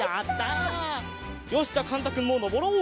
よしじゃあかんたくんものぼろう！